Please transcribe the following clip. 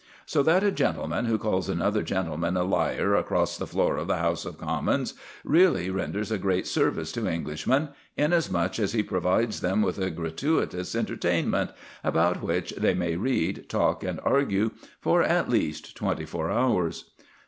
So that a gentleman who calls another gentleman a liar across the floor of the House of Commons really renders a great service to Englishmen, inasmuch as he provides them with a gratuitous entertainment, about which they may read, talk, and argue for at least twenty four hours.